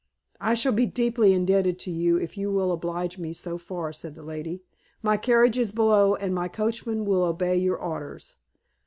"I shall be deeply indebted to you if you will oblige me so far," said the lady. "My carriage is below, and my coachman will obey your orders."